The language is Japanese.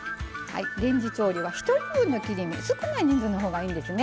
レンジ調理は１人分の切り身少ない人数のほうがいいんですね。